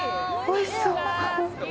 おいしそう。